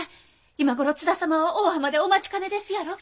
今頃津田様は大浜でお待ちかねですやろ。